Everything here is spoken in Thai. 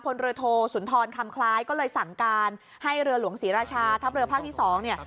พลเรือโทสุนทรคำคล้ายก็เลยสั่งการให้เรือหลวงศรีราชาทัพเรือภาคที่๒เนี่ย